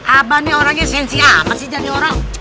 abang ini orangnya sensi amat sih jadi orang